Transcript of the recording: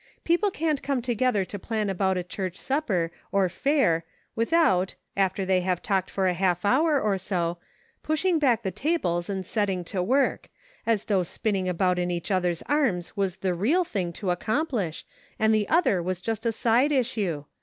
People can't come together to plan about a church supper or fair without, after they have talked for a half hour or so, pushing back the tables and setting to work ; as though spinning about in each other's arms was the real thing to accomplish, and the other was just a side issue.